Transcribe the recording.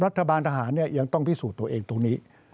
รัฐบาลทหารเนี่ยยังต้องพิสูจน์ตัวเองตรงนี้